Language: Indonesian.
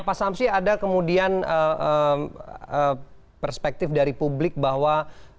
pak samsi ada kemudian perspektif dari publik bahwa